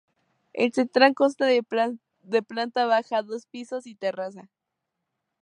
El central consta de planta baja, dos pisos y terraza.